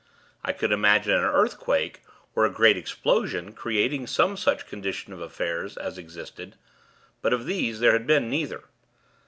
I could imagine an earthquake, or a great explosion, creating some such condition of affairs as existed; but, of these, there had been neither.